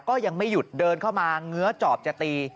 ก็ยังไม่หยุดเดินเข้ามาเงื้อจอบจะตี